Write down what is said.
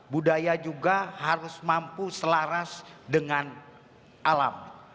budaya juga harus mampu selaras dengan alam